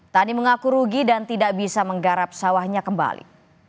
tani mengaku rugi dan tidak bisa menggarap sawahnya kembali